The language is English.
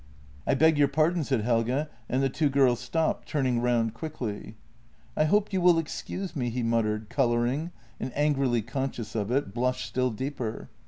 " I beg your pardon," said Helge, and the two girls stopped, turning round quickly. " I hope you will excuse me," he muttered, colouring, and, angrily conscious of it, blushed still deeper.